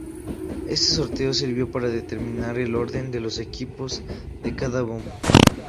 Este Sorteo sirvió para determinar el orden de los equipos en cada bombo.